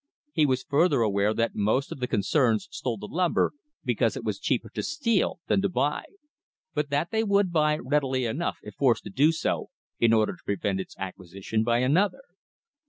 He was further aware that most of the concerns stole the timber because it was cheaper to steal than to buy; but that they would buy readily enough if forced to do so in order to prevent its acquisition by another.